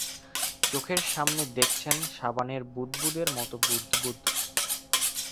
চোখের সামনে দেখছেন সাবানের বুদবুদের মতো বুদবুদ।